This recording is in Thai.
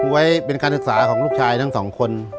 ไว้เป็นการศึกษาของลูกชายทั้งสองคน